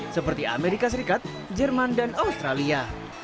seperti amerika serikat jerman dan australia